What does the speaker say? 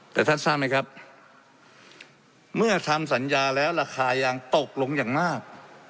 แต่ท่านทราบไหมครับเมื่อทำสัญญาแล้วราคายางตกลงอย่างมาก